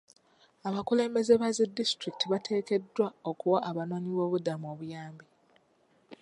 Abakulembeze ba zidisitulikikiti bateekeddwa okuwa abanoonyi b'obubuddamu obuyambi .